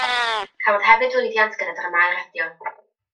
Cafodd hefyd lwyddiant gyda dramâu radio.